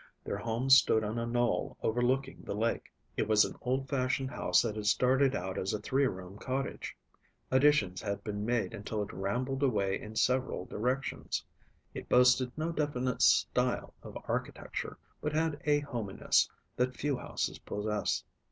Their home stood on a knoll overlooking the lake. It was an old fashioned house that had started out as a three room cottage. Additions had been made until it rambled away in several directions. It boasted no definite style of architecture, but had a hominess that few houses possess.